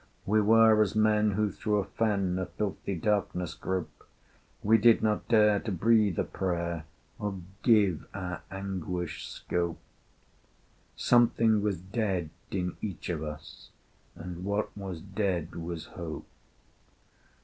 We were as men who through a fen Of filthy darkness grope: We did not dare to breathe a prayer, Or give our anguish scope: Something was dead in each of us, And what was dead was Hope.